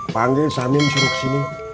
panggil samin suruh ke sini